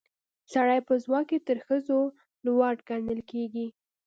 سړي په ځواک کې تر ښځو لوړ ګڼل کیږي